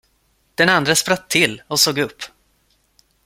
Den andre spratt till och såg upp.